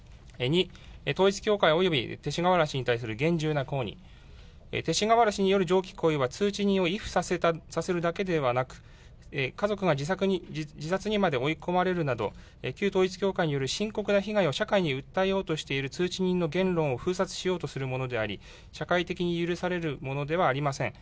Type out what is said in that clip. ２、統一教会および勅使河原氏に対する厳重な抗議、勅使河原氏による上記行為は通知人を畏怖させるだけではなく、家族が自殺にまで追い込まれるなど、旧統一教会による深刻な被害を社会に訴えようとしている通知人の言論を封殺しようとするものであり、社会的に許されるものではありません。